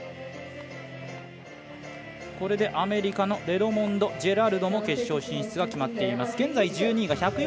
これでアメリカのレドモンド・ジェラルドも決勝進出が決まっています。